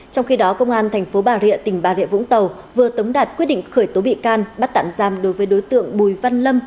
trong khi đó công an thành phố bà rịa tỉnh bà rịa vũng tàu vừa tống đạt quyết định khởi tố bị can bắt tạm giam đối với đối tượng bùi văn lâm